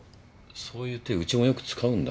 そういう手うちもよく使うんだ。